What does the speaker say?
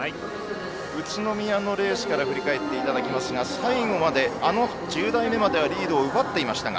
宇都宮のレースから振り返っていただきますが最後まであの１０台目まではリードを奪っていましたが。